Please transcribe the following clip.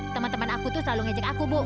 teman teman aku selalu mengejek aku